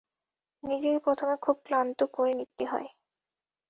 নিজেকে প্রথমে খুব ক্লান্ত করে নিতে হয়।